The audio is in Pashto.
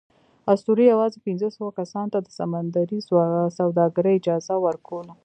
اسطورې یواځې پینځوسوو کسانو ته د سمندري سوداګرۍ اجازه ورکوله.